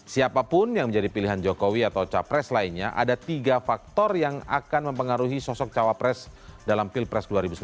siapapun yang menjadi pilihan jokowi atau capres lainnya ada tiga faktor yang akan mempengaruhi sosok cawapres dalam pilpres dua ribu sembilan belas